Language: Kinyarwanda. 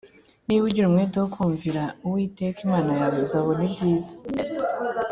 niba ugira umwete wo kumvira uwiteka imana yawe uzabona ibyiza